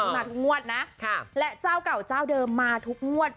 มาทุกงวดนะและเจ้าเก่าเจ้าเดิมมาทุกงวด